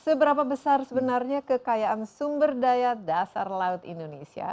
seberapa besar sebenarnya kekayaan sumber daya dasar laut indonesia